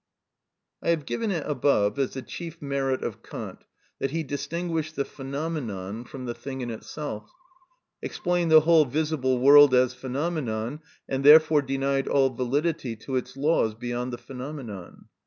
‐‐‐‐‐‐‐‐‐‐‐‐‐‐‐‐‐‐‐‐‐‐‐‐‐‐‐‐‐‐‐‐‐‐‐‐‐ I have given it above as the chief merit of Kant that he distinguished the phenomenon from the thing in itself, explained the whole visible world as phenomenon, and therefore denied all validity to its laws beyond the phenomenon.